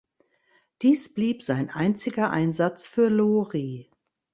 Dies blieb sein einziger Einsatz für Lori.